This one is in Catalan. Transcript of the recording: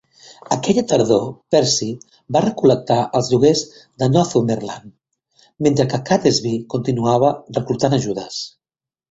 Aquella tardor, Percy va recol·lectar els lloguers de Northumberland, mentre que Catesby continuava reclutant ajudes.